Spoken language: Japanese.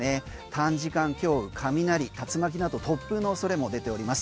短時間強雨、雷、竜巻など突風のおそれも出ております。